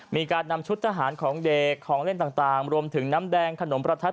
มีการนำชุดทหารของเด็กของเล่นต่างรวมถึงน้ำแดงขนมประทัด